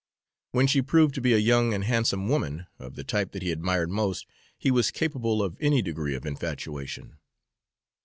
When she proved to be a young and handsome woman, of the type that he admired most, he was capable of any degree of infatuation.